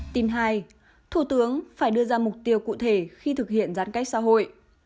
tin hai thủ tướng phải đưa ra mục tiêu cụ thể khi thực hiện giãn cách xã hội